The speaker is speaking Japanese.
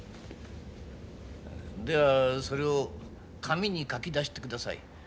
ではそれを紙に書き出してください。